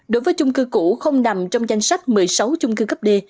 đối với chung cư cũ không nằm trong danh sách một mươi sáu chung cư cấp d